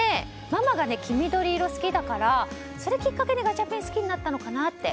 ママが黄緑色が好きだからそれがきっかけでガチャピンが好きになったのかなって。